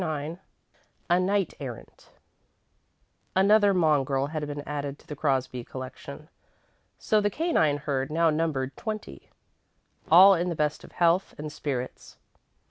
IX A KNIGHT ERRANT Another mongrel had been added to the Crosby collection, so the canine herd now numbered twenty, all in the best of health and spirits.